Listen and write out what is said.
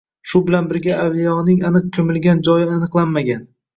Shu bilan birga, avliyoning aniq ko‘milgan joyi belgilanmagan